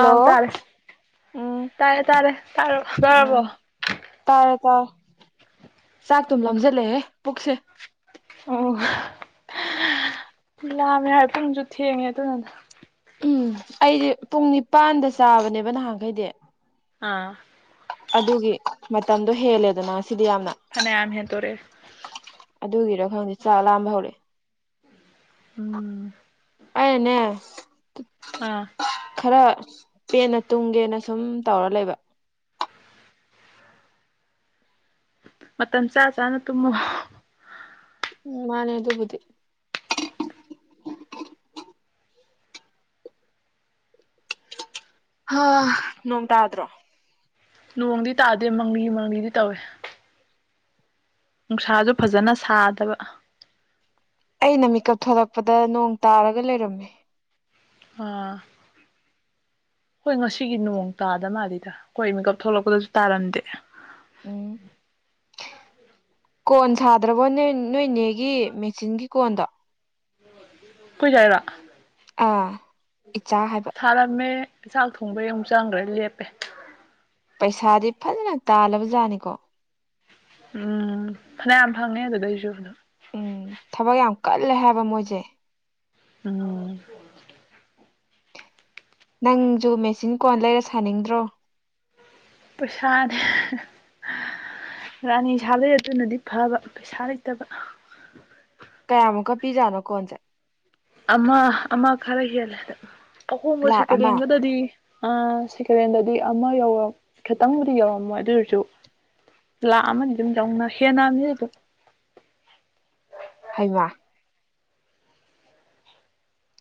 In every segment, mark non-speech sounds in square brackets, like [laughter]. ꯑꯥꯎ ꯇꯥꯔꯦ ꯎꯝ ꯇꯥꯔꯦ ꯇꯥꯔꯦ ꯇꯥꯔꯕꯣ ꯇꯥꯔꯕꯣ ꯎꯝ ꯇꯥꯔꯦ ꯇꯥꫪꯦ ꯆꯥꯛꯇꯨꯝ ꯂꯝꯁꯤꯜꯂꯑꯦꯍꯦ ꯄꯨꯛꯁꯦ ꯑꯣ ꯂꯥꯝꯃꯦ ꯍꯥꯏ ꯄꯨꯡꯁꯨ ꯊꯦꯡꯉꯦ ꯑꯗꯨꯅꯅ ꯎꯝ ꯑꯩꯗꯤ ꯄꯨꯡ ꯅꯤꯄꯥꯟꯗ ꯆꯥꯕꯅꯦꯕ ꯅꯍꯥꯟꯈꯩꯗꯤ ꯑꯥ ꯑꯗꯨꯒꯤ ꯃꯇꯝꯗꯣ ꯍꯦꯜꯂꯦꯗꯅ ꯁꯤꯗꯤ ꯌꯥꯝꯅ ꯐꯅꯌꯥꯝꯍꯦꯟ ꯇꯣꯔꯦ ꯑꯗꯨꯒꯤꯔꯣ ꯈꯪꯗꯦ ꯆꯥꯛ ꯂꯥꯝꯕ ꯍꯧꯛꯦ ꯎꯝ ꯑꯩꯅꯥꯅꯦ ꯑꯥ ꯈꯔ ꯄꯦꯟꯅ ꯇꯨꯝꯒꯦꯅ ꯁꯨꯝ ꯇꯧꯔ ꯂꯩꯕ ꯃꯇꯝ ꯆꯥ ꯆꯥꯅ ꯇꯨꯝꯃꯨ ꯎꯝ ꯃꯥꯅꯦ ꯑꯗꯨꯕꯨꯗꯤ ꯍꯥ ꯅꯣꯡꯃꯇ꯭ꯔꯣ ꯅꯣꯡꯗꯤ ꯇꯥꯗꯦ ꯃꯪꯂꯤ ꯃꯪꯂꯤꯗꯤ ꯇꯧꯏꯦ ꯅꯨꯡꯁꯥꯖꯨ ꯐꯖꯅ ꯁꯥꯗꯕ ꯑꯩꯅ ꯃꯤꯀꯞ ꯊꯂꯛꯄꯗ ꯅꯣꯡ ꯇꯥꯔꯒ ꯂꯩꯔꯝꯃꯦ ꯑꯥ ꯍꯣꯏ ꯉꯁꯤꯒꯤ ꯅꯣꯡ ꯇꯥꯗꯅꯜꯂꯤꯗ ꯑꯩꯈꯣꯏ ꯃꯤꯀꯞ ꯊꯣꯛꯂꯛꯄꯗꯁꯨ ꯇꯥꯔꯝꯗꯦ ꯎꯝ ꯀꯣꯟ ꯁꯥꯗ꯭ꯔꯕꯣ ꯅꯦ ꯅꯣꯏꯅꯦꯒꯤ ꯃꯦꯆꯤꯟꯒꯤ ꯀꯣꯟꯗꯣ ꯀꯣꯏꯖꯦ ꯍꯥꯏꯔꯣ ꯑꯥ ꯏꯆꯥ ꯍꯥꯏꯕ ꯊꯥꯔꯝꯃꯦ ꯆꯥꯛ ꯊꯣꯡꯕ ꯌꯦ ꯑꯃꯨꯛ ꯆꯪꯈ꯭ꯔꯦ ꯂꯦꯞꯄꯦ ꯄꯩꯁꯥꯗꯤ ꯐꯖꯅ ꯇꯥꯜꯂꯕ ꯖꯥꯠꯅꯤꯀꯣ ꯎꯝ ꯐꯅꯌꯥꯝ ꯐꯪꯉꯦ ꯑꯗꯨꯗꯩꯁꯨ ꯎꯝ ꯊꯕꯛ ꯌꯥꯝ ꯀꯜꯂꯦ ꯍꯥꯏꯕ ꯃꯣꯏꯁꯦ ꯎꯝ ꯅꯪꯖꯨ ꯃꯦꯆꯤꯟ ꯀꯣꯟ ꯂꯩꯔ ꯁꯥꯅꯤꯡꯗ꯭ꯔꯣ ꯄꯩꯁꯥꯗꯤ ꯔꯥꯅꯤ ꯁꯥꯕꯗꯩ ꯑꯗꯨꯅꯗꯤ ꯐꯕ ꯄꯩꯁꯥ ꯂꯩꯇꯕ ꯀꯌꯥꯃꯨꯛꯀ ꯄꯤꯖꯥꯅꯣ ꯀꯣꯟꯁꯦ ꯑꯃ ꯑꯃ ꯈꯔ ꯍꯦꯜꯂꯦ ꯑꯍꯣꯡꯕ ꯂꯥꯛ ꯁꯦꯀꯗ ꯑꯃ ꯍꯦꯟꯒꯗꯗꯤ ꯁꯦꯀꯦꯟꯦꯟꯗꯗꯤ ꯑꯃ ꯌꯧꯔ ꯈꯤꯇꯪꯕꯨꯗꯤ ꯌꯧꯔꯝꯃꯣꯏ ꯑꯗꯨꯔꯁꯨ ꯂꯥꯛꯑꯃꯅꯤꯗꯤ ꯑꯗꯨꯝ ꯂꯧꯅ ꯍꯦꯟꯅꯕꯅꯤ ꯑꯗꯨꯝ ꯍꯩꯃꯥ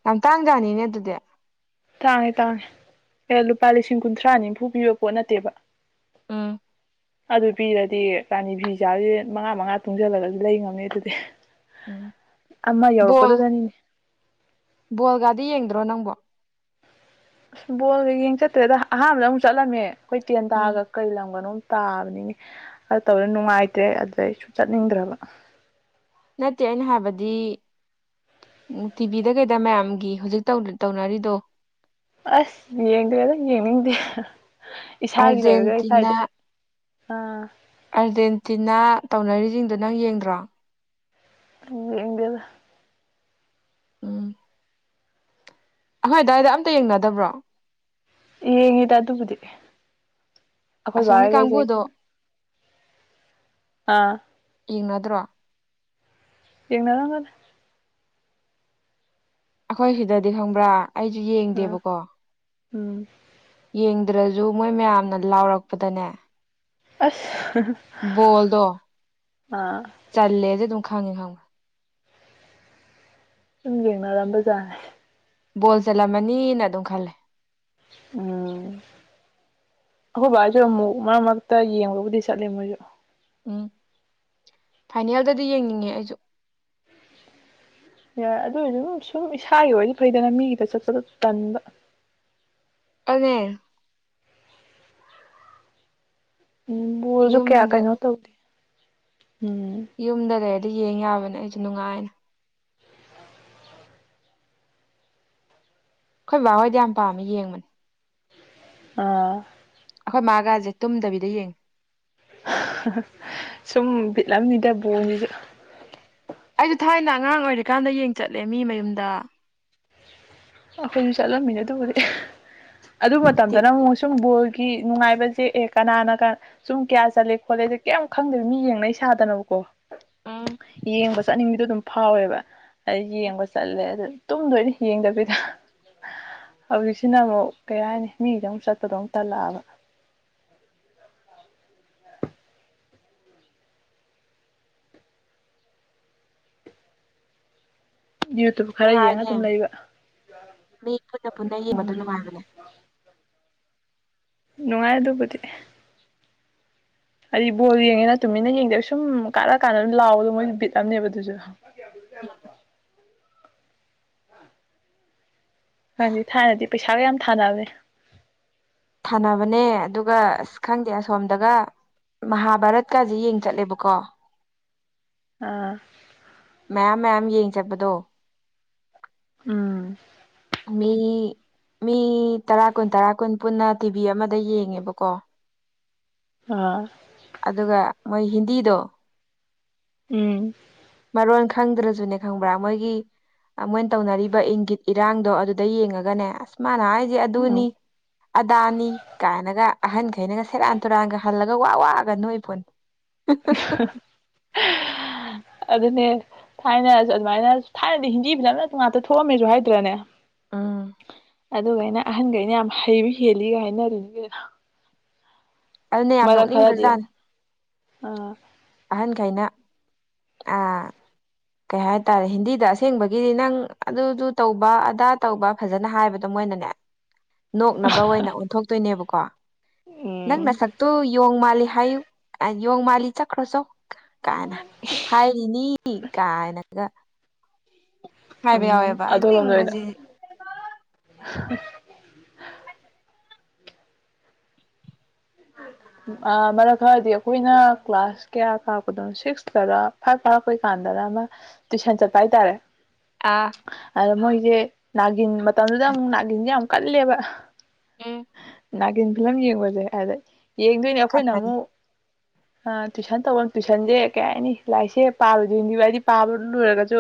ꯌꯥꯝ ꯇꯥꯡꯖꯅꯤꯅꯦ ꯑꯗꯨꯗꯤ ꯇꯥꯡꯉꯦ ꯇꯥꯡꯉꯦ ꯑꯦ ꯂꯨꯄꯥ ꯂꯤꯁꯤꯡ ꯀꯨꯟꯊ꯭ꯔꯥ ꯅꯤꯝꯐꯨ ꯄꯤꯕ ꯄꯣꯠ ꯅꯠꯇꯦꯕ ꯎꯝ ꯑꯗꯨ ꯄꯤꯔꯗꯤ ꯔꯥꯅꯤ ꯐꯤ ꯁꯥꯕꯤꯖꯤꯡ ꯃꯉꯥ ꯃꯉꯥ ꯇꯨꯡꯖꯤꯜꯂꯒꯖꯨ ꯂꯩ ꯉꯝꯅꯤ ꯑꯗꯨꯗꯤ ꯎꯝ ꯑꯃ ꯕꯣꯜ ꯌꯧꯔꯛꯄꯗꯨꯗꯅꯤꯅꯦ ꯕꯣꯜꯒꯗꯤ ꯌꯦꯡꯗ꯭ꯔꯣ ꯅꯪꯕꯣ ꯕꯣꯜꯒ ꯌꯦꯡ ꯆꯠꯇ꯭ꯔꯦꯗ ꯑꯍꯥꯟꯕꯗ ꯑꯃꯨꯛ ꯆꯠꯂꯝꯃꯦ ꯑꯩꯈꯣꯏ ꯇꯦꯟ ꯎꯝ ꯇꯥꯒ ꯀꯩ ꯂꯝꯒꯅꯣꯝ ꯇꯥꯕꯅꯤꯅꯦ ꯑꯗꯨ ꯇꯧꯗ ꯅꯨꯡꯉꯥꯏꯇ꯭ꯔꯦ ꯑꯗꯨꯗꯩꯁꯨ ꯆꯠꯅꯤꯡꯗ꯭ꯔꯕ ꯅꯠꯇꯦ ꯑꯩꯅ ꯍꯥꯏꯕꯗꯤ ꯎꯝ ꯇꯤꯚꯤꯗ ꯀꯩꯗ ꯃꯌꯥꯝꯒꯤ ꯍꯧꯖꯤꯛ ꯇꯧꯅꯔꯤꯗꯣ ꯑꯁ ꯌꯦꯡꯗꯦ ꯑꯩ ꯌꯦꯡꯅꯤꯡꯗꯦ ꯏꯁꯥꯒꯤ ꯂꯩꯔꯒ ꯑꯥꯔꯖꯦꯟꯇꯤꯅꯥ ꯏꯁꯥꯏꯗ ꯑꯥ ꯑꯥꯔꯖꯦꯟꯇꯤꯅꯥ ꯇꯧꯅꯔꯤꯁꯤꯡꯗꯣ ꯅꯪ ꯌꯦꯡꯗ꯭ꯔꯣ ꯌꯦꯡꯗꯗ ꯅꯣꯏ ꯑꯗꯨꯋꯥꯏꯗ ꯑꯝꯇ ꯌꯦꯡꯅꯗꯕ꯭ꯔꯣ ꯌꯦꯡꯉꯤꯗ ꯑꯗꯨꯕꯨꯗꯤ ꯑꯩꯈꯣꯏ ꯑꯁꯣꯝꯒꯤ ꯕꯥꯒꯁꯦ ꯀꯥꯡꯕꯨꯗꯣ ꯑꯥ ꯌꯦꯡꯅꯗ꯭ꯔꯣ ꯌꯦꯡꯅꯔꯝꯒꯅꯤ ꯑꯩꯈꯣꯏ ꯁꯤꯗꯗꯤ ꯈꯪꯕ꯭ꯔꯥ ꯑꯩꯁꯨ ꯑꯥ ꯌꯦꯡꯗꯦꯕꯀꯣ ꯎꯝ ꯌꯦꯡꯗ꯭ꯔꯁꯨꯨ ꯃꯣꯏ ꯃꯌꯥꯝꯅ ꯂꯥꯎꯔꯛꯄꯗꯅꯦ ꯑꯁ ꯕꯣꯜꯗꯣ ꯑꯥ ꯆꯜꯂꯦꯖꯦ ꯑꯗꯨꯝ ꯈꯪꯉꯦ ꯈꯪꯉꯕ ꯁꯨꯝ ꯌꯦꯡꯅꯔꯝꯕꯖꯥꯅꯦ ꯕꯣꯜ ꯆꯠꯂꯝꯃꯅꯤꯅ ꯑꯗꯨꯝ ꯈꯜꯂꯦ ꯎꯝ ꯑꯈꯣꯏ ꯕꯥ ꯍꯣꯏ ꯁꯨꯑꯃꯨꯛ ꯃꯔꯛ ꯃꯔꯛꯇ ꯌꯦꯡꯕꯕꯨꯗꯤ ꯆꯠꯂꯦ ꯃꯣꯏꯖꯨ ꯎꯝ ꯐꯥꯏꯅꯦꯜꯗꯗꯤ ꯌꯦꯡꯅꯤꯡꯉꯦ ꯑꯩꯖꯨ ꯌꯥ ꯑꯗꯨ ꯑꯣꯏꯁꯨ ꯁꯨꯝ ꯏꯁꯥꯒꯤ ꯑꯣꯏꯗꯤ ꯐꯩꯗꯅ ꯃꯤꯒꯤꯗ ꯆꯠꯄꯗ ꯇꯟꯕ ꯑꯗꯨꯅꯤ ꯎꯝ ꯕꯣꯜꯁꯨ ꯀꯌꯥ ꯌꯨꯝꯗ ꯀꯩꯅꯣ ꯇꯧꯗꯦ ꯎꯝ ꯌꯨꯝꯗ ꯂꯩꯔꯗꯤ ꯌꯦꯡ ꯌꯥꯕꯅꯦ ꯑꯩꯁꯨ ꯅꯨꯡꯉꯥꯏꯅꯦ ꯑꯩꯈꯣꯏ ꯕꯥ ꯍꯣꯏꯗꯤ ꯌꯥꯝ ꯄꯥꯝꯃꯦ ꯌꯦꯡꯕꯅꯦ ꯑ ꯑꯈꯣꯏ ꯃꯥꯒꯁꯦ ꯇꯨꯝꯗꯕꯤꯗ ꯌꯦꯡꯉꯦ ꯁꯨꯝ ꯕꯤꯠ ꯑꯃꯅꯤꯗ ꯕꯣꯜꯁꯤꯁꯨ ꯑꯩꯁꯨ ꯊꯥꯏꯅ ꯑꯉꯥꯡ ꯑꯣꯏꯔꯤꯀꯥꯟꯗ ꯌꯦꯡ ꯆꯠꯂꯦ ꯃꯤ ꯃꯌꯨꯝꯗ ꯑꯈꯣꯏꯖꯨ ꯆꯠꯂꯝꯃꯤꯅꯦ ꯑꯗꯨꯕꯨꯗꯤ ꯑꯗꯨ ꯃꯇꯝꯗꯅ ꯑꯃꯨꯛ ꯁꯨꯡ ꯕꯣꯜꯒꯤ ꯅꯨꯡꯉꯥꯏꯕꯁꯦ ꯀꯅꯥꯅꯒ ꯁꯨꯝ ꯀꯌꯥ ꯆꯠꯂꯦ ꯈꯣꯠꯂꯦꯖꯨ ꯀꯔꯦꯝ ꯈꯪꯗꯕꯤ ꯃꯤ ꯌꯦꯡꯅꯩ ꯁꯥꯗꯅꯕꯀꯣ ꯎꯝ ꯌꯦꯡꯕ ꯆꯠꯅꯤꯡꯕꯤꯗꯣ ꯑꯗꯨꯝ ꯐꯥꯎꯋꯦꯕ ꯑ ꯌꯦꯡꯕ ꯆꯠꯂꯦ ꯑꯗꯨ ꯇꯨꯝꯗꯣꯏꯅ ꯌꯦꯡꯗꯕꯤ ꯍꯧꯖꯤꯛꯁꯤꯅ ꯑꯃꯨꯛ ꯀꯩ ꯍꯥꯏꯅꯤ ꯃꯤꯗ ꯑꯃꯨꯛ ꯆꯠꯄꯗꯧꯨꯛ ꯇꯜꯂꯛꯑꯕ ꯌꯦ ꯅꯨꯡꯉꯥꯏꯕꯅꯦ ꯃꯤ ꯄꯨꯟꯅ ꯄꯨꯟꯅ ꯌꯦꯡꯕꯗꯣ ꯎꯝ ꯅꯨꯡꯉꯥꯏꯕꯅꯦ ꯅꯨꯡꯉꯥꯏ ꯑꯗꯨꯕꯨꯗꯤ ꯍꯥꯏ ꯕꯜ ꯌꯦꯡꯉꯦꯅ ꯇꯨꯃꯤꯟꯅ ꯌꯦꯡꯗꯦꯕ ꯁꯨꯝ ꯀꯥꯔꯂ ꯀꯥꯟꯗ ꯑꯗꯨꯝ ꯂꯥꯎꯑꯣꯗꯣ ꯃꯣꯏꯁꯨ ꯕꯤꯠꯑꯝꯅꯦꯕ ꯑꯗꯨꯁꯨ [unintelligible] ꯈꯪꯗꯤ ꯊꯥꯏꯅꯗꯤ ꯄꯩꯁꯥꯒ ꯌꯥꯝ ꯊꯥꯅꯕꯅꯦ ꯊꯅꯥꯕꯅꯦ ꯑꯗꯨꯒ ꯑꯁ ꯈꯪꯗꯦ ꯑꯁꯣꯝꯗꯒ ꯃꯍꯥꯚꯥꯔꯠꯀꯁꯦ ꯌꯦꯡ ꯆꯠꯂꯦꯕꯀꯣ ꯑꯥ ꯃꯌꯥꯝ ꯃꯌꯥꯝ ꯌꯦꯡ ꯆꯠꯄꯗꯣ ꯎꯝ ꯃꯤ ꯃꯤ ꯇꯔꯥ ꯀꯨꯟ ꯇꯔꯥ ꯀꯨꯟ ꯄꯨꯟꯅ ꯇꯤꯚꯤ ꯑꯃꯗ ꯌꯦꯡꯉꯦꯕꯀꯣ ꯑꯥ ꯑꯗꯨꯒ ꯃꯣꯏ ꯍꯤꯟꯗꯤꯗꯣ ꯎꯝ ꯃꯔꯣꯟ ꯈꯪꯗ꯭ꯔꯁꯨꯅꯦ ꯈꯪꯕ꯭ꯔꯥ ꯃꯣꯏꯒꯤ ꯃꯣꯏꯅ ꯇꯧꯅꯔꯤꯕ ꯏꯪꯒꯤꯠ ꯏꯔꯥꯡꯗꯣ ꯑꯗꯨꯗ ꯌꯦꯡꯉꯒꯅꯦ ꯑꯁ ꯃꯥꯅ ꯍꯥꯏꯁꯦ ꯑꯥ ꯑꯗꯨꯅꯤ ꯑꯗꯥꯅꯤ ꯀꯥꯏꯅꯒ ꯑꯍꯟꯈꯩꯅꯒ ꯁꯦꯔꯥꯟ ꯇꯨꯔꯥꯟꯒ ꯍꯜꯂꯒ ꯋꯥ ꯋꯥꯑꯒ ꯅꯣꯏ ꯐꯣꯟ [inaudible] ꯑꯗꯨꯅꯦ ꯊꯥꯏꯅꯔꯁꯨ ꯑꯗꯨꯃꯥꯏꯅ ꯊꯥꯏꯅꯗꯤ ꯍꯤꯟꯖꯤ ꯐꯖꯅ ꯉꯥꯛꯇ ꯊꯣꯛꯑꯝꯃꯦꯁꯨ ꯍꯥꯏꯗ꯭ꯔꯅꯦ ꯑꯥ ꯑꯗꯨꯒꯥꯏꯩꯅ ꯑꯍꯟꯈꯩꯅ ꯌꯥꯝ ꯍꯩꯕ ꯍꯦꯜꯂꯤꯒ ꯍꯥꯏꯅꯔꯤꯅꯤ ꯑꯗꯨꯅ ꯌꯥꯝ ꯃꯔꯛ ꯈꯔꯗꯤ ꯅꯣꯛꯅꯤꯡꯈ꯭ꯔꯖꯥꯠ ꯑꯃ ꯑꯥ ꯑꯍꯟꯈꯩꯅ ꯑ ꯀꯩ ꯍꯥꯏꯇꯥꯔꯦ ꯍꯤꯟꯗꯤꯗ ꯑꯁꯦꯡꯕꯒꯤꯗꯤ ꯅꯪ ꯑꯗꯨꯗꯨ ꯇꯧꯕ ꯑꯗꯥ ꯇꯧꯕ ꯐꯖꯅ ꯍꯥꯏꯕꯗꯣ ꯃꯣꯏꯅꯅꯦ [inaudible] ꯅꯣꯛꯅꯕ ꯑꯣꯏꯅ ꯑꯣꯟꯊꯣꯛꯇꯣꯏꯅꯦꯕꯀꯣ ꯅꯪ ꯎꯝ ꯅꯁꯛꯇꯨ ꯌꯣꯡ ꯃꯥꯜꯂꯤ ꯍꯥꯏꯌꯨ ꯌꯦꯣꯡ ꯃꯥꯜꯂꯤ ꯆꯠꯈ꯭ꯔꯁꯨꯧ ꯀꯥꯏꯅ ꯍꯥꯏꯔꯤꯅꯤ ꯀꯥꯏꯅꯒ ꯍꯥꯏꯕ ꯎꯝ ꯌꯥꯎꯋꯦꯕ ꯑꯩꯅ ꯑꯗꯣꯝꯗ ꯑꯣꯏꯅ ꯏꯪꯕꯕꯁꯤ ꯑ ꯃꯔꯛ ꯈꯔꯗꯤ ꯑꯈꯣꯏꯅ ꯀ꯭ꯂꯥꯁ ꯀꯌꯥ ꯀꯥꯔꯛꯄꯗꯅꯣ ꯁꯤꯛꯁꯇꯔꯥ ꯐꯥꯏꯚ ꯀꯥꯔꯛꯄꯩ ꯀꯥꯟꯗꯔꯥ ꯑꯃ ꯇꯨꯏꯁꯟ ꯆꯠꯄ ꯍꯥꯏꯇꯥꯔꯦ ꯑꯥ ꯑꯗ ꯃꯣꯏꯁꯦ ꯅꯥꯒꯤꯟ ꯃꯇꯝꯗꯨꯗ ꯑꯃꯨꯛ ꯅꯥꯒꯤꯟꯁꯦ ꯌꯥꯝ ꯀꯜꯂꯦꯕ ꯑꯦ ꯅꯥꯀꯤꯟ ꯐꯤꯂꯝ ꯌꯦꯡꯕꯁꯦ ꯑꯗ ꯌꯦꯡꯗꯣꯏꯅꯦ ꯑꯩꯈꯣꯏꯅ ꯈꯟꯕꯅꯤ ꯑꯃꯨꯛ ꯑ ꯇꯨꯏꯁꯟ ꯇꯧꯕ ꯇꯨꯏꯁꯟꯁꯦ ꯀꯩ ꯍꯥꯏꯅꯤ ꯂꯥꯏꯔꯤꯛꯁꯦ ꯄꯥꯕꯗꯤ ꯍꯤꯟꯗꯤꯕ ꯑꯩꯗꯤ ꯄꯥꯕ ꯂꯣꯏꯔꯒꯁꯨ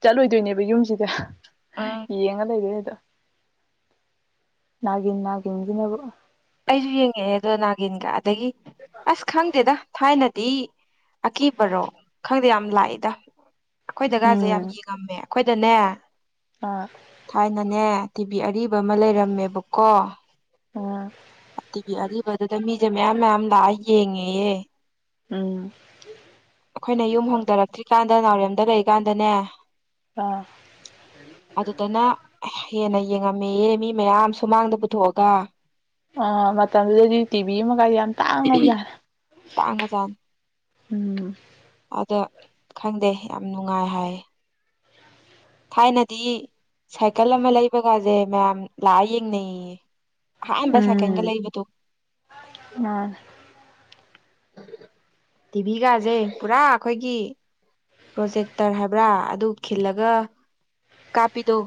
ꯆꯠꯂꯣꯏꯗꯣꯏꯅꯦꯕ ꯌꯨꯝꯁꯤꯗ ꯎꯝ ꯌꯦꯡꯉꯂ ꯏꯦ ꯑꯗ ꯅꯒꯤꯟ ꯅꯒꯤ ꯏꯤꯟ ꯅꯒ ꯑꯩꯁꯨ ꯌꯦꯡꯉꯛꯑꯦ ꯑꯗꯣ ꯅꯥꯒꯤꯟꯒ ꯑꯗꯒꯤ ꯑꯁ ꯈꯪꯗꯦꯗ ꯊꯥꯏꯅꯗꯤ ꯑꯀꯤꯕꯔꯣ ꯈꯪꯗꯦ ꯌꯥꯝ ꯂꯥꯛꯏꯗ ꯑꯩꯈꯣꯏ ꯖꯒꯥꯁꯦ ꯌꯥꯝ ꯎꯝ ꯌꯦꯡꯉꯝꯃꯦ ꯑꯩꯈꯣꯏꯗꯅꯦ ꯑꯥ ꯊꯥꯏꯅꯅꯦ ꯇꯤꯚꯤ ꯑꯔꯤꯕ ꯑꯃ ꯂꯩꯔꯝꯃꯦꯕꯀꯣ ꯑꯣ ꯑꯒꯤ ꯑꯔꯤꯕꯗꯨꯗ ꯃꯤꯁꯦ ꯃꯌꯥꯝ ꯃꯌꯥꯝ ꯂꯥꯛꯑ ꯌꯦꯡꯉꯦꯌꯦ ꯎꯝ ꯑꯩꯈꯣꯏꯅ ꯌꯨꯝ ꯍꯣꯡꯗꯔꯛꯇ꯭ꯔꯤ ꯏꯀꯥꯟꯗ ꯅꯥꯎꯔꯦꯝꯗ ꯂꯩꯔꯤꯀꯥꯟꯗꯅꯦ ꯑꯥ ꯑꯗꯨꯗꯅ ꯍꯦꯟꯅ ꯌꯦꯡꯉꯝꯃꯦꯌꯦ ꯃꯤ ꯃꯌꯥꯝ ꯁꯨꯃꯥꯡꯗ ꯄꯨꯊꯣꯛꯑꯒ ꯑ ꯃꯇꯝꯗꯨꯗꯗꯤ ꯇꯤꯚꯤ ꯑꯃꯒ ꯌꯥꯝ ꯇꯥꯡꯉꯕꯖꯥꯠꯅꯦ ꯇꯥꯡꯒ ꯖꯅꯤ ꯎꯝ ꯑꯗ ꯈꯪꯗꯦ ꯌꯥꯝ ꯅꯨꯡꯉꯥꯏ ꯍꯥꯏ꯫ ꯊꯥꯏꯅꯗꯤ ꯁꯥꯏꯀꯜ ꯑꯃ ꯂꯩꯕꯒꯥꯁꯦ ꯃꯌꯥꯝ ꯂꯥꯛꯑ ꯌꯦꯡꯅꯩꯌꯦ꯫ ꯑꯍꯥꯟꯕ ꯁꯥꯏꯀꯟꯒ ꯎꯝ ꯂꯩꯕꯗꯨ ꯃꯥꯅꯦ ꯇꯤꯚꯤꯒꯥꯥꯁꯦ ꯄꯨꯔꯥ ꯑꯩꯈꯣꯏꯒꯤ ꯄ꯭ꯔꯣꯖꯦꯛꯇꯔ ꯍꯥꯏꯕ꯭ꯔꯥ ꯑꯗꯨ ꯈꯤꯜꯂꯒ ꯀꯥꯞꯄꯤꯗꯣ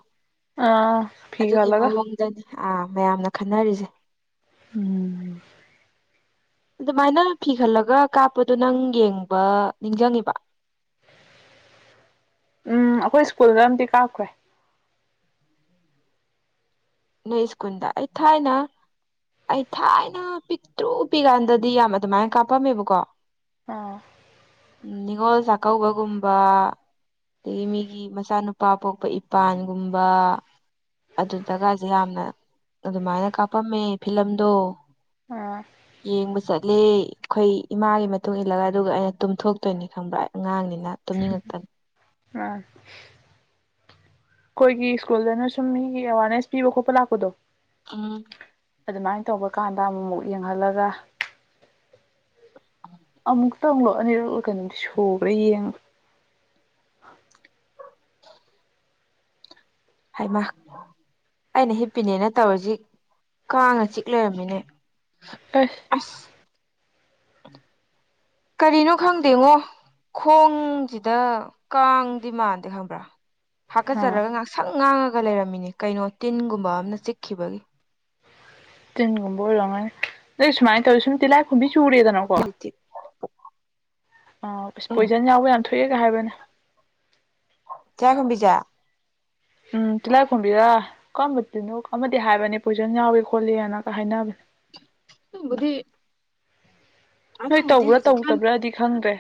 ꯑꯥ ꯐꯤ ꯑꯗꯨꯒꯤ ꯈꯜꯂꯒ ꯃꯑꯣꯡꯗꯅꯤ ꯑꯥ ꯃꯌꯥꯝꯅ ꯈꯟꯅꯔꯤꯁꯦ ꯎꯝ ꯑꯗꯨꯃꯥꯏꯅ ꯐꯤ ꯈꯜꯂꯒ ꯀꯥꯞꯄꯗꯨ ꯅꯪ ꯌꯦꯡꯕ ꯅꯤꯡꯁꯤꯡꯉꯤꯕ ꯎꯝ ꯑꯩꯈꯣꯏ ꯁ꯭ꯀꯨꯜꯗ ꯑꯝꯇ ꯀꯥꯞꯈ꯭ꯔꯦ ꯅꯣꯏ ꯏꯁꯀꯨꯟꯗ ꯑꯩ ꯊꯥꯏꯅ ꯑꯩ ꯊꯥꯏꯅ ꯄꯤꯛꯇ꯭ꯔꯨ ꯄꯤꯀꯥꯟꯗꯗꯤ ꯌꯥꯝ ꯑꯗꯨꯃꯥꯏꯅ ꯀꯥꯞꯄꯝꯃꯦꯕꯀꯣ ꯑꯥ ꯅꯤꯉꯣꯜ ꯆꯥꯛꯀꯧꯕꯒꯨꯝꯕ ꯑꯗꯒꯤ ꯃꯤꯒꯤ ꯃꯆꯥꯅꯨꯄꯥ ꯄꯣꯛꯄ ꯏꯄꯥꯟꯒꯨꯝꯕ ꯑꯗꯨꯗꯒ ꯌꯥꯝꯅ ꯑꯗꯨꯃꯥꯏꯅ ꯀꯥꯞꯄꯝꯃꯦ ꯐꯤꯂꯝꯗꯣ ꯑꯥ ꯌꯦꯡꯕ ꯆꯠꯂꯦ ꯈꯣꯏ ꯏꯃꯥꯒꯤ ꯃꯇꯨꯡ ꯏꯜꯂꯒ ꯑꯗꯨꯒ ꯑꯩꯅ ꯇꯨꯝꯊꯣꯛꯇꯣꯏꯅꯤ ꯈꯪꯕ꯭ꯔꯥ ꯑꯩ ꯑꯉꯥꯡꯅꯤꯅ꯫ ꯇꯨꯝꯅꯤꯡꯉꯛꯇꯅꯤ [unintelligible] ꯑꯩꯈꯣꯏꯒꯤ ꯁ꯭ꯀꯨꯜꯗꯅ ꯁꯨꯝ ꯃꯤꯒꯤ ꯑꯦꯋꯥꯔꯅꯦꯁ ꯄꯤꯕ ꯈꯣꯠꯄ ꯂꯥꯛꯄꯗꯣ ꯑ ꯑꯗꯨꯃꯥꯏꯅ ꯇꯧꯕ ꯀꯥꯟꯗ ꯑꯃꯨꯃꯨꯛ ꯌꯦꯡꯍꯜꯂꯒ [unintelligible] ꯑꯃꯨꯛꯇꯪꯪꯂꯣ ꯑꯅꯤꯔꯛ ꯀꯩꯅꯣꯝꯗꯤ ꯁꯨꯒ꯭ꯔꯦ ꯌꯦꯡꯕ꯫ ꯍꯩꯃꯥ! ꯑꯩꯅ ꯍꯤꯞꯄꯤꯅꯦꯅ ꯇꯧꯔꯤꯖꯤ ꯀꯥꯡꯅ ꯆꯤꯛ ꯂꯩꯔꯝꯃꯤꯅꯦ꯫ ꯑꯁ ꯑꯁ! [unintelligible] ꯀꯔꯤꯅꯣ ꯈꯪꯗꯦꯉꯣ ꯈꯣꯡꯖꯤꯗ ꯀꯥꯡꯗꯤ ꯃꯥꯟꯗꯦ ꯈꯪꯕ꯭ꯔꯥ ꯑꯥ ꯍꯥꯀꯠꯆꯔꯒ ꯉꯥꯛꯁꯪ ꯉꯥꯡꯉꯒ ꯂꯩꯔꯝꯃꯤꯅꯦ ꯀꯩꯅꯣ ꯇꯤꯟꯒꯨꯝꯕ ꯑꯃꯅ ꯆꯤꯛꯈꯤꯕꯒꯤ꯫ ꯇꯤꯟꯒꯨꯝꯕ ꯑꯣꯏꯔꯝꯅꯤ ꯑꯗꯩ ꯁꯨꯥꯏ ꯇꯧꯔꯤ ꯁꯨꯝ ꯇꯤꯂꯥꯏꯈꯨꯝꯕꯤ ꯆꯨꯔꯦꯗꯅꯣ [unintelligible] ꯑ ꯑꯁ ꯎꯝ ꯄꯣꯏꯖꯟ ꯌꯥꯎꯕ ꯌꯥꯝ ꯊꯣꯛꯑꯦꯒ ꯍꯥꯏꯕꯅꯦ ꯇꯤꯂꯥꯏꯈꯨꯝꯕꯤꯖꯦ ꯎꯝ ꯇꯤꯜꯂꯥꯏ ꯈꯣꯝꯕꯤꯔꯥ ꯀꯔꯝꯕ ꯇꯤꯟꯅꯣ ꯑꯃꯗꯤ ꯍꯥꯏꯕꯅꯦ ꯄꯣꯏꯁꯟ ꯌꯥꯎꯋ ꯈꯣꯠꯂꯦꯅꯒ ꯍꯥꯏꯅꯕꯅꯦ ꯕꯨꯗꯤ ꯅꯣꯏ ꯇꯧꯕ꯭ꯔꯥ ꯍꯧꯖꯤꯛꯀꯥꯟ ꯇꯧꯗꯕ꯭ꯔꯥꯗꯤ ꯈꯪꯗ꯭ꯔꯦ꯫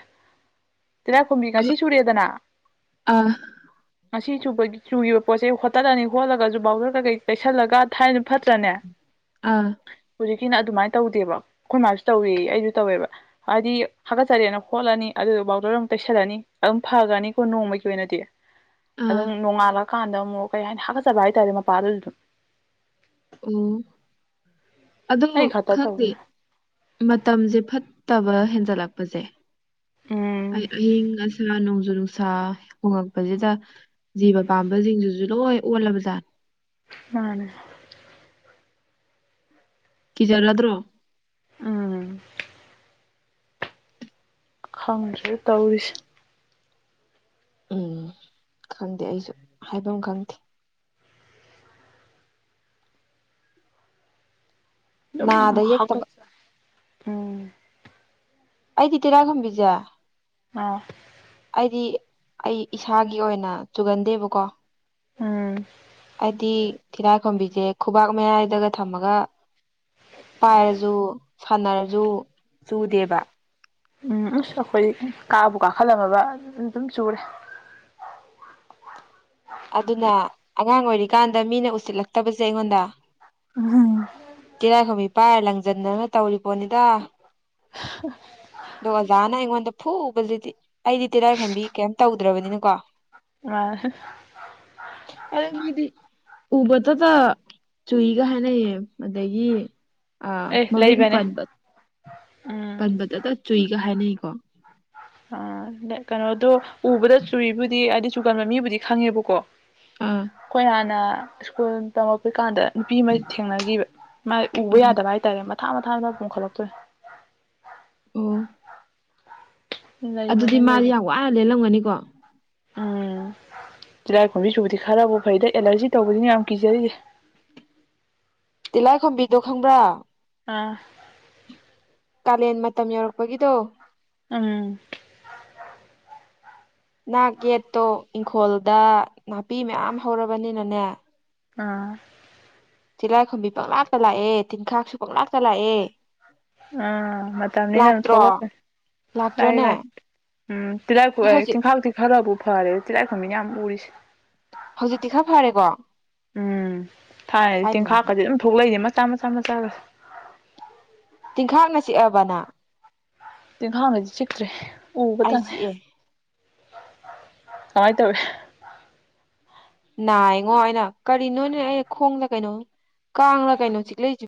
ꯇꯤꯂꯥꯏꯈꯨꯝꯕꯤ ꯉꯁꯤ ꯆꯨꯔꯦꯗꯅ ꯑꯥ ꯉꯁꯤꯨꯕ ꯆꯨꯈꯤꯕ ꯄꯣꯠꯁꯦ ꯍꯣꯠꯇꯠꯂꯅꯤ ꯍꯣꯠꯂꯒꯁꯨ ꯕꯥꯎꯗꯔꯒ ꯀꯩ ꯀꯩꯁꯜꯂꯒ ꯊꯥꯏꯅ ꯐꯠꯇ꯭ꯔꯅꯦ [unintelligible] ꯑꯥ ꯍꯧꯖꯤꯛꯀꯤꯅ ꯑꯗꯨꯃꯥꯏꯅ ꯇꯧꯗꯦꯕ ꯑꯩꯈꯣꯏ ꯃꯥꯁꯨ ꯇꯧꯋ ꯑꯩꯁꯨ ꯇꯧꯋꯦꯕ꯫ ꯍꯥꯏꯗꯤ ꯍꯥꯀꯠꯆꯔꯦꯅ ꯈꯣꯠꯂꯅꯤ ꯑꯗꯨꯗ ꯕꯥꯎꯇꯔ ꯑꯃꯨꯛ ꯇꯩꯁꯜꯂꯅꯤ ꯑꯗꯨꯝ ꯐꯈ꯭ꯔꯅꯤꯀꯣ ꯅꯣꯡꯃꯒꯤ ꯑꯣꯏꯅꯗꯤ꯫ ꯑꯥ ꯑꯗꯨꯝ ꯅꯣꯡꯉꯥꯜꯂꯀꯥꯟꯗ ꯑꯃꯨꯛ ꯀꯩ ꯍꯥꯏꯅꯤ ꯍꯥꯀꯠꯆꯕ ꯍꯥꯏꯇꯥꯔꯦ ꯃꯄꯥꯗꯨ ꯑꯗꯨꯝ꯫ ꯑꯣ ꯑꯗꯣ ꯑꯩ ꯈꯛꯇ ꯈꯪꯗꯦ ꯇꯧꯕ꯭ꯔꯥ ꯃꯇꯝꯁꯦ ꯐꯠꯇꯕ ꯍꯦꯟꯖꯜꯂꯛꯄꯁꯦ ꯎꯝ ꯑꯍꯁꯥ ꯅꯧꯖꯅ ꯎꯁꯥ ꯍꯣꯡꯉꯛꯄꯁꯤꯗ ꯖꯤꯕ ꯄꯥꯝꯕꯁꯤꯡꯁꯤꯁꯨ ꯂꯣꯏ ꯑꯣꯜꯂꯕꯖꯥꯠꯅꯤ ꯑꯅꯦ ꯀ ꯔꯨꯔꯗ꯭ꯔꯣ ꯎꯝ ꯈꯪꯉꯁ꯭ꯔꯦ ꯇꯧꯔꯤꯁꯦ ꯎꯝ ꯈꯪꯗꯦ ꯑꯩꯁꯨ ꯍꯥꯏꯐꯝ ꯈꯪꯗꯦ ꯑꯗꯨꯝ ꯅꯥꯗ ꯌꯦꯛꯇꯕ ꯍꯥꯒꯠꯆ ꯎꯝ ꯑꯩꯗꯤ ꯇꯤꯂꯥꯏꯈꯨꯝꯕꯤꯖꯦ ꯑꯥ ꯑꯩꯗꯤ ꯑꯩ ꯏꯁꯥꯒꯤ ꯑꯣꯏꯅ ꯆꯨꯒꯟꯗꯦꯕꯀꯣ꯫ ꯎꯝ ꯍꯥꯏꯗꯤ ꯊꯤꯂꯥꯏꯈꯣꯝꯕꯤꯁꯦ ꯈꯨꯕꯥꯛ ꯃꯌꯥꯏꯗꯒ ꯊꯝꯃꯒ ꯄꯥꯏꯔ ꯖꯨ ꯁꯥꯟꯅꯔ ꯖꯨ ꯆꯨꯗꯦꯕ ꯎꯝ ꯑꯁ ꯑꯩꯈꯣꯏ ꯀꯥꯕꯨ ꯀꯥꯈꯠꯂꯝꯃꯕ ꯑꯗꯨꯝ ꯆꯨꯔꯦ꯫ ꯑꯗꯨꯅ ꯑꯉꯥꯡ ꯑꯣꯏꯔꯤꯀꯥꯟꯗ ꯃꯤꯅ ꯎꯁꯤꯜꯂꯛꯇꯕ ꯖꯦ ꯑꯩꯉꯣꯟꯗ ꯎꯝ ꯀꯤꯔꯥꯏꯈꯕꯤ ꯄꯥꯏꯔ ꯂꯪꯖꯟꯗꯅ ꯇꯧꯔꯤꯕꯔꯤꯕꯣꯅꯤꯗ ꯎ ꯑꯗꯣ ꯑꯣꯖꯥꯅ ꯑꯩꯉꯣꯟꯗ ꯐꯨꯕꯗꯨꯗꯤ ꯑꯩꯗꯤ ꯇꯦꯔꯥꯏꯈꯣꯝꯕꯤ ꯀꯩꯝ ꯇꯧꯗ꯭ꯔꯕꯅꯤꯅꯀꯣ ꯑ ꯑꯗꯤ ꯎꯕꯇꯇ ꯆꯨꯏꯒ ꯍꯥꯏꯅꯩꯌꯦ ꯑꯗꯒꯤ ꯑꯥ ꯑꯦ ꯃꯃꯤꯡ ꯂꯩꯕꯅꯦ ꯄꯕ ꯎꯝ ꯄꯟꯕꯗꯇ ꯆꯨꯏꯒ ꯍꯥꯏꯅꯩꯀꯣ ꯑ ꯀꯩꯅꯣꯗꯣ ꯎꯕꯗ ꯆꯨꯔꯤꯕꯕꯨꯗꯤ ꯍꯥꯏꯗꯤ ꯆꯨꯒꯟꯕ ꯃꯤꯕꯨꯗꯤ ꯈꯪꯉꯦꯕꯀꯣ ꯑ ꯑꯩꯈꯣꯏ ꯍꯥꯟꯅ ꯁ꯭ꯀꯨꯜ ꯇꯝꯃꯛꯛꯄꯩ ꯀꯥꯟꯗ ꯅꯨꯄꯤ ꯑꯃ ꯊꯦꯡꯅꯈꯤꯕ ꯃꯥ ꯑ ꯎꯕ ꯌꯥꯗꯕ ꯍꯥꯏꯇꯥꯔꯦ ꯃꯊꯥ ꯃꯊꯥꯗ ꯄꯨꯝꯈꯠꯂꯛꯇꯣꯏ ꯑꯣ ꯑꯗꯨꯗꯤ ꯂꯩꯕꯅꯦ ꯃꯥꯗꯤ ꯂꯩꯕꯅꯦ ꯌꯥꯝ ꯋꯥꯅ ꯂꯦꯜꯂꯝꯒꯅꯤꯀꯣ ꯎꯝ ꯆꯤꯔꯥꯏ ꯀꯨꯝꯕꯤ ꯁꯨꯕꯗꯤ ꯈꯔꯕꯨ ꯐꯩꯗ ꯑꯦꯂꯔꯖꯤ ꯇꯧꯕꯗꯤꯅ ꯌꯥꯝ ꯀꯤꯖꯔꯤꯁꯦ ꯇꯤꯜꯂꯥꯏ ꯈꯝꯕꯤꯗꯣ ꯈꯪꯕ꯭ꯔꯥ ꯑꯥ ꯀꯥꯂꯦꯟ ꯃꯇꯝ ꯌꯧꯔꯛꯄꯒꯤꯗꯣ ꯎꯝ ꯅꯥꯛ ꯌꯦꯠꯇꯣ ꯏꯪꯈꯣꯜꯗ ꯅꯥꯄꯤ ꯃꯌꯥꯝ ꯍꯧꯔꯕꯅꯤꯅꯅꯦ ꯑꯥ ꯆꯤꯂꯥꯏꯈꯣꯝꯕꯤ ꯄꯪꯅꯥꯛꯇ ꯂꯥꯛꯑꯦ ꯇꯤꯟꯈꯥꯛꯁꯨ ꯄꯪꯅꯥꯛꯇ ꯂꯥꯛꯑꯦ ꯑ ꯃꯅꯤ ꯅ ꯂꯥꯛꯇ꯭ꯔꯣ ꯊꯂꯛꯇꯦ ꯇꯥꯏ ꯂꯥꯛꯇ꯭ꯔꯣꯅꯦ ꯂꯥꯏ ꯎꯝ ꯇꯗ ꯍꯧꯖꯤꯛ ꯊꯤꯡꯈꯥꯎ ꯈꯔꯕꯨ ꯐꯔꯦ ꯆꯤꯂꯥꯏꯈꯝ ꯃꯤꯅ ꯌꯥꯝ ꯎꯔꯤꯁꯦ ꯍꯧꯖꯤꯛꯇꯤ ꯈꯔ ꯐꯔꯦꯀꯣ ꯎꯝ ꯊꯥꯏꯅꯗꯤ ꯍꯥꯏꯅ ꯍꯥꯏꯅ ꯇꯦꯡꯈꯥꯛꯀꯗꯤ ꯑꯗꯨꯝ ꯊꯣꯛꯂꯛꯏꯅꯦ ꯃꯆꯥ ꯃꯆꯥ ꯃꯆꯥꯒ ꯇꯤꯟꯈꯥꯛꯅ ꯆꯤꯛꯑꯕ ꯅꯪ ꯇꯤꯟꯈꯥꯡꯅꯗꯤ ꯆꯤꯛꯇ꯭ꯔꯦ ꯎꯕ ꯑꯩ ꯇꯪꯉꯦ ꯆꯤꯛꯑꯦ ꯀꯃꯥꯏꯅ ꯇꯧꯋꯦ ꯅꯥꯏꯉꯣ ꯑꯩꯅ ꯀꯔꯤꯅꯣꯅꯦ ꯑꯩ ꯈꯣꯡꯗ ꯀꯩꯅꯣ ꯀꯥꯡꯂ ꯀꯩꯅꯣ ꯆꯤꯛꯂꯛꯏꯁꯤꯦ